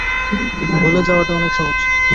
ভুলে যাওয়াটা অনেক সহজ!